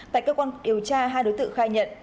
tại cơ quan điều tra hai đối tượng khai nhận